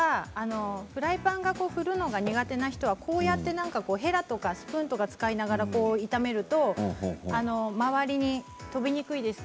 フライパンを振るのが苦手な人は、へらとかスプーンを使いながら炒めると周りに飛びにくいです。